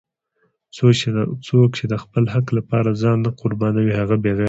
څوک چې د خپل حق لپاره ځان نه قربانوي هغه بېغیرته دی!